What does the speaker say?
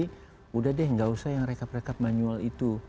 sudah deh nggak usah yang rekap rekap manual itu